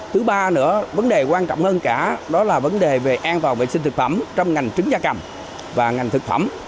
thứ ba nữa vấn đề quan trọng hơn cả đó là vấn đề về an toàn vệ sinh thực phẩm trong ngành trứng da cầm và ngành thực phẩm